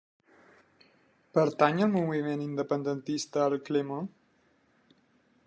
Pertany al moviment independentista el Clément?